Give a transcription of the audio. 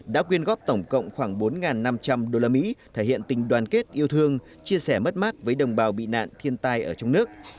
đã quyên góp tổng cộng khoảng bốn năm trăm linh usd thể hiện tình đoàn kết yêu thương chia sẻ mất mát với đồng bào bị nạn thiên tai ở trong nước